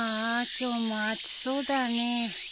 今日も暑そうだね。